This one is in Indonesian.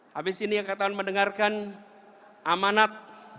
habis ini yang akan kita mendengarkan amanat